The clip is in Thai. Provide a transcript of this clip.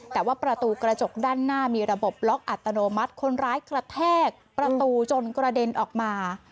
แต่ว่าประตูกระจกด้านหน้ามีระบบล็อกอัตโนมัติคนร้ายกระแทกประตูจนกระเด็นออกมา